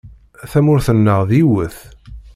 Tamurt-nneɣ d yiwet!